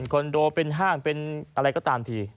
คอนโดเป็นห้างเป็นอะไรก็ตามที